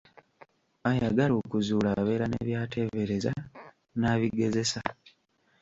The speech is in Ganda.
Ayagala okuzuula abeera ne by'ateebereza, n'abigezesa.